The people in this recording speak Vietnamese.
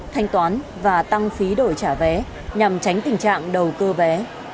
thanh toán và tăng phí đổi trả vé nhằm tránh tình trạng đầu cơ vé